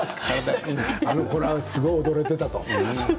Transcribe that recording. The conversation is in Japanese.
あのころはすごい踊れていたと。